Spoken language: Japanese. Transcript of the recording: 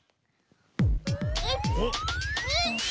１２！